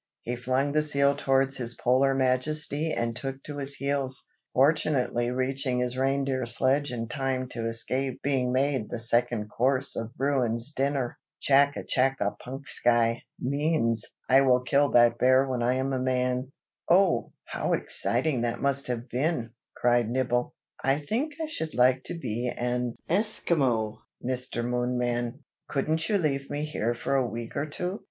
He flung the seal towards his Polar Majesty, and took to his heels, fortunately reaching his reindeer sledge in time to escape being made the second course of Bruin's dinner. 'Chacka chacka punksky' means 'I will kill that bear when I am a man.'" "Oh! how exciting that must have been!" cried Nibble. "I think I should like to be an Esquimaux, Mr. Moonman! Couldn't you leave me here for a week or two?"